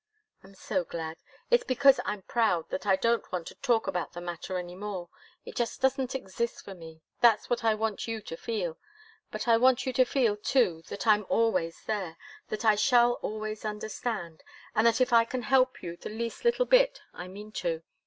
"I'm so glad. It's because I'm proud that I don't want to talk about that matter any more. It just doesn't exist for me. That's what I want you to feel. But I want you to feel, too, that I'm always there, that I shall always understand, and that if I can help you the least little bit, I mean to.